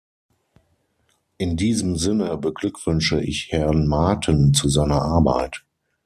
In diesem Sinne beglückwünsche ich Herrn Maaten zu seiner Arbeit.